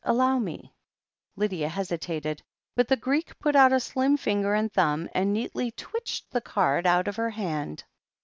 Allow mel" Lydia hesitated, but the Greek put out a slim finger and thumb, and neatly twitched the card out of her hand.